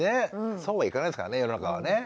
そうはいかないですからね世の中はね。